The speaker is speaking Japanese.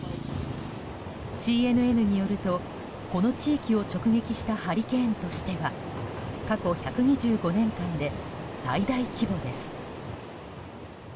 ＣＮＮによるとこの地域を直撃したハリケーンとしては過去１２５年間で最大規模です。